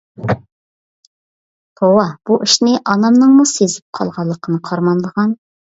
توۋا، بۇ ئىشنى ئانامنىڭمۇ سېزىپ قالغانلىقىنى قارىمامدىغان.